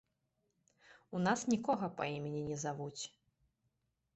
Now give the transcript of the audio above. У нас нікога па імені не завуць.